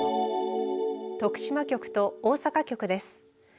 徳島局と大阪局です。